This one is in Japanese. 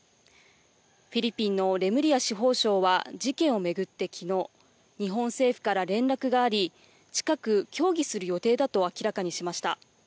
フィリピンのレムリア司法相は事件を巡ってきのう、日本政府から連絡があり、近く協議する予定だと明らかにしました。